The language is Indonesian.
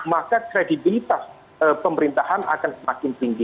maka kredibilitas pemerintahan akan semakin tinggi